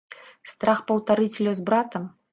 Страх паўтарыць лёс брата?